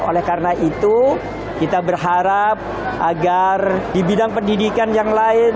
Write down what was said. oleh karena itu kita berharap agar di bidang pendidikan yang lain